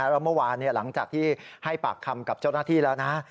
แล้วเมื่อวานหลังจากที่ให้ปากคำกับเจ้าหน้าที่แล้วนะ